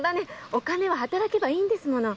お金は働けばいいんですもの。